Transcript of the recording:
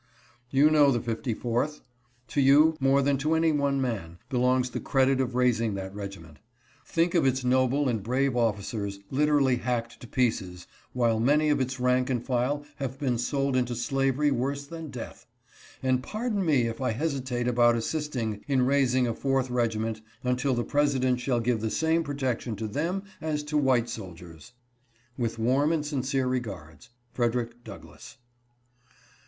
"You know the 54th. To you, more than to any one man, belongs the credit of raising that regiment. Think of its noble and brave officers literally hacked to pieces, while many of its rank and file have been sold into slavery worse than death ; and pardon me if I hesitate about assisting in raising a fourth regiment until the President shall give the same protection to them as to white soldiers. With warm and sincere regards, Frederick Douglas."